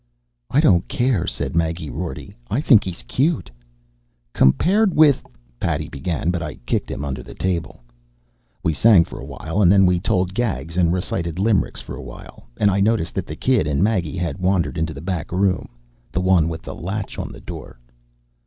"I don't care," said Maggie Rorty. "I think he's cute." "Compared with " Paddy began, but I kicked him under the table. We sang for a while, and then we told gags and recited limericks for a while, and I noticed that the kid and Maggie had wandered into the back room the one with the latch on the door.